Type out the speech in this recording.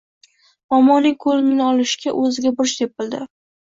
Momoning ko'nglini olishni o'ziga burch deb bildi.